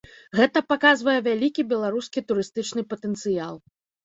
Гэта паказвае вялікі беларускі турыстычны патэнцыял.